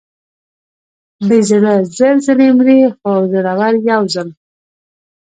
بې زړه زر ځلې مري، خو زړور یو ځل.